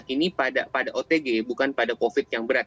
ini pada otg bukan pada covid yang berat